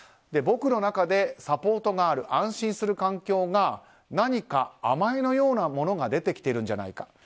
僕の中でサポートがある安心する環境が何か甘えのようなものが出てきているんじゃないか。